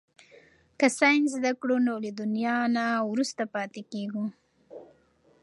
که ساینس زده کړو نو له دنیا نه وروسته پاتې کیږو.